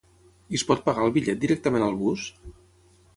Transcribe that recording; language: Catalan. I es pot pagar el bitllet directament al bus?